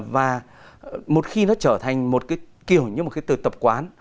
và một khi nó trở thành một cái kiểu như một cái từ tập quán